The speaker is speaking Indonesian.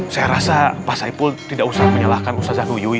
saya rasa pasai pul tidak usah menyalahkan ustaz januyuy